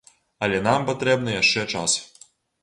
Але нам патрэбны яшчэ час.